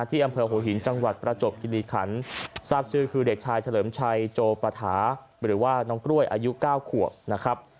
ที่อำเภอหัวหินจังหวัดประจบกิริขันทราบชื่อคือเด็กชายเฉลิมชัยโจปฐาหรือว่าน้องกล้วยอายุ๙ขวบนะครับ